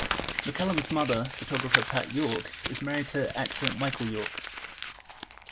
McCallum's mother, photographer Pat York is married to actor Michael York.